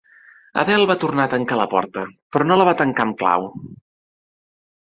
Adele va tornar a tancar la porta, però no la va tancar amb clau.